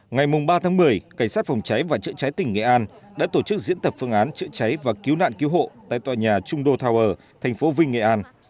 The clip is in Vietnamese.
ngày ba tháng một mươi cảnh sát phòng cháy và chữa cháy tỉnh nghệ an đã tổ chức diễn tập phương án chữa cháy và cứu nạn cứu hộ tại tòa nhà trung đô tower thành phố vinh nghệ an